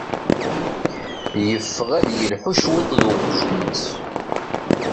Yeffeɣ ad yelḥu cwiṭ d uqjun-is.